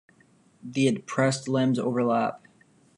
The adpressed limbs overlap.